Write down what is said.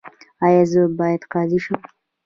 ایا زه باید قاضي شم؟